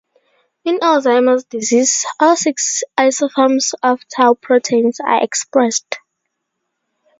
In Alzheimer's disease, all six isoforms of tau proteins are expressed.